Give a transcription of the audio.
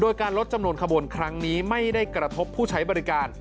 โดยการลดจำนวนขบวนครั้งนี้ไม่ได้กระทบผู้ใช้บริการ